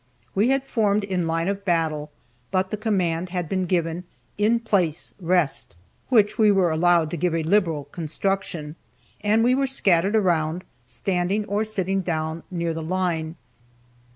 We had formed in line of battle, but the command had been given, "In place, rest!" (which we were allowed to give a liberal construction), and we were scattered around, standing or sitting down, near the line.